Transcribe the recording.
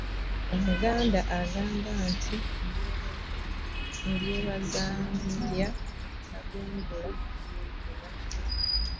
Omuganda agamba nti ndyebaza ndya tagunjula munafu